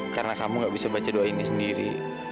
karena kamu gak bisa baca doa ini sendiri